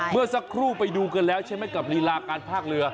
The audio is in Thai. เมื่อสักครู่ไปดูกันแล้วใช่ไหมกับลีลาการพากเรือ